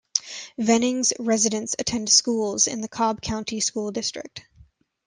Vinings residents attend schools in the Cobb County School District.